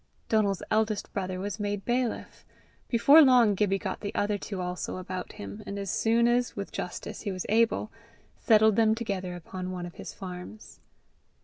Donal's eldest brother was made bailiff. Before long Gibbie got the other two also about him, and as soon as, with justice, he was able, settled them together upon one of his farms.